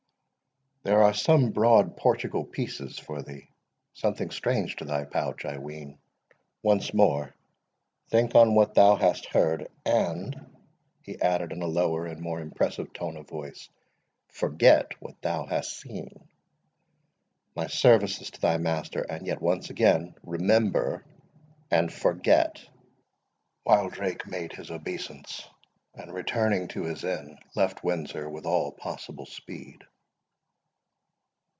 There are some broad Portugal pieces for thee—something strange to thy pouch, I ween.—Once more, think on what thou hast heard, and," he added, in a lower and more impressive tone of voice, "forget what thou hast seen. My service to thy master;—and, yet once again, remember—and forget."—Wildrake made his obeisance, and, returning to his inn, left Windsor with all possible speed.